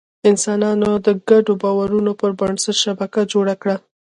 انسانانو د ګډو باورونو پر بنسټ شبکه جوړه کړه.